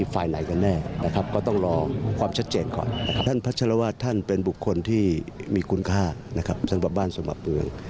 ว่าชื่อโบสถ์เสนอมาขนาดนี้แล้วเจ้าตัวก็ต้องมีใจให้บ้างหรือ